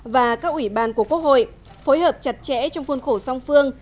và các ủy ban của quốc hội phối hợp chặt chẽ trong khuôn khổ song phương